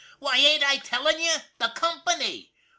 " Why, ain't I telling you! The company."